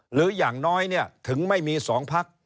หรืออย่างน้อยถึงไม่มี๒พัก